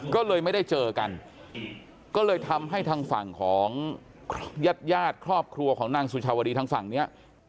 ก็เลยไม่ได้เจอกันก็เลยทำให้ทางฝั่งของญาติญาติครอบครัวของนางสุชาวดีทางฝั่งนี้